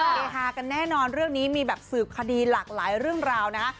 เฮฮากันแน่นอนเรื่องนี้มีแบบสืบคดีหลากหลายเรื่องราวนะฮะ